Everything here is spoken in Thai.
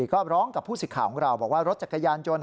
ก็ร้องกับผู้สิทธิ์ของเราบอกว่ารถจักรยานยนต์